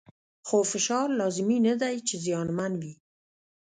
خو فشار لازمي نه دی چې زیانمن وي.